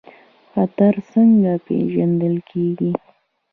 خطر څنګه پیژندل کیږي؟